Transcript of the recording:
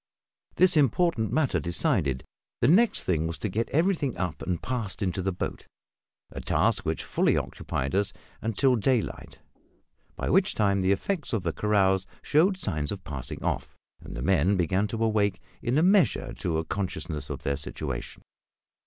This important matter decided, the next thing was to get everything up and passed into the boat a task which fully occupied us until daylight; by which time the effects of the carouse showed signs of passing off, and the men began to awake in a measure to a consciousness of their situation.